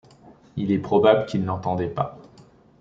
Il est probable qu’il n’entendait pas.